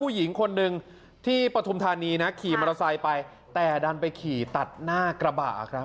ผู้หญิงคนหนึ่งที่ปฐุมธานีนะขี่มอเตอร์ไซค์ไปแต่ดันไปขี่ตัดหน้ากระบะครับ